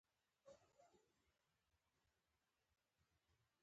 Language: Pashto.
شپې، دوی دواړه موږ ته په تمه و.